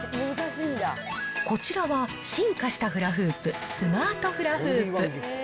こちらは、進化したフラフープ、スマートフラフープ。